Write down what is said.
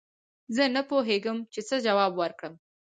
زه نه پوهېږم چې څه جواب ورکړم